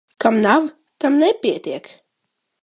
Kam nav, tam nepietiek.